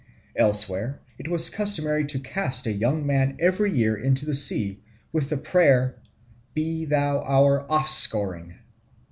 Elsewhere it was customary to cast a young man every year into the sea, with the prayer, "Be thou our offscouring."